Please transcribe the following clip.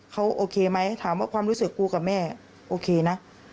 เขาโอเคไหมถามว่าความรู้สึกกูกับแม่โอเคนะ